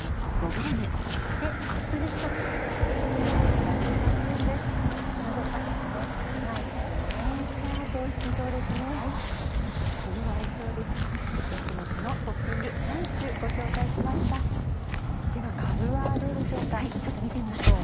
ではかぶはどうでしょうか？